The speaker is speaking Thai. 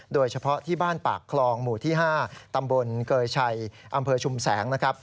โดยเฉพาะที่บ้านปากคลองหมู่ที่๕ตำบลเกยชัยอำเภอชุมแสงนะครับ